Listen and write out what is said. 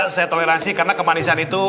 saya toleransi karena kemanisan itu